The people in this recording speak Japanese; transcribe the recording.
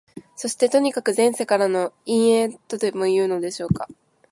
そして、とにかく前世からの因縁とでもいうのでしょうか、